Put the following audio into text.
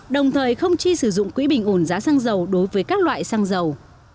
đồng thời không chi sử dụng quỹ bình ổn giá xăng dầu đối với các loại xăng dầu